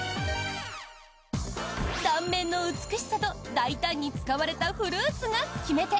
断面の美しさと大胆に使われたフルーツが決め手